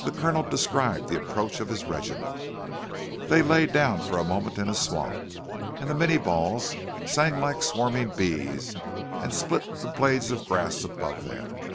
The Colonel described the approach of his regiment. They lay down for a moment in a swamp, and the minie balls sang like swarming bees, and split the blades of the grass above them.